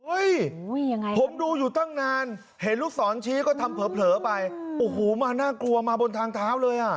ผมดูอยู่ตั้งนานเห็นลูกศรชี้ก็ทำเผลอไปโอ้โหมาน่ากลัวมาบนทางเท้าเลยอ่ะ